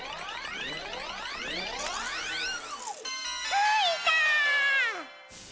ついた！